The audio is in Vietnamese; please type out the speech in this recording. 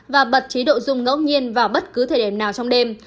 và bật chế độ rung ngẫu nhiên vào bất cứ thời điểm nào trong đêm